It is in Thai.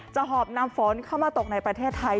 หอบนำฝนเข้ามาตกในประเทศไทย